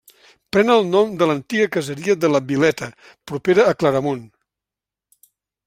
Pren el nom de l'antiga caseria de la Vileta, propera a Claramunt.